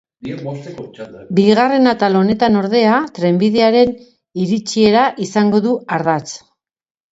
Bigarren atal honetan, ordea, trenbidearen iritsiera izango du ardatz.